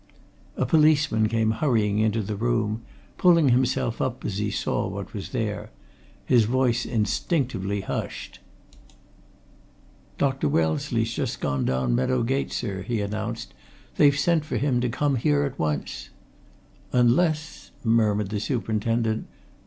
A policeman came hurrying into the room, pulling himself up as he saw what was there. His voice instinctively hushed. "Dr. Wellesley's just gone down Meadow Gate, sir," he announced. "They've sent for him to come here at once." "Unless!" murmured the superintendent.